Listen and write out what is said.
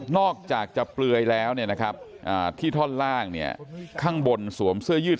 อกจากจะเปลือยแล้วที่ท่อนล่างข้างบนสวมเสื้อยืด